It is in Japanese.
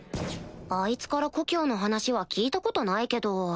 あいつから故郷の話は聞いたことないけど